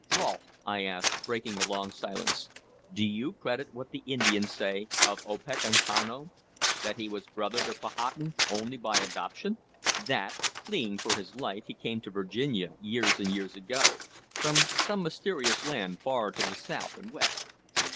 "Rolfe," I asked, breaking a long silence, "do you credit what the Indians say of Opechancanough?" "That he was brother to Powhatan only by adoption?" "That, fleeing for his life, he came to Virginia, years and years ago, from some mysterious land far to the south and west?"